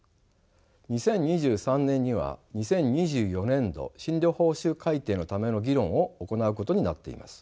２０２３年には２０２４年度診療報酬改定のための議論を行うことになっています。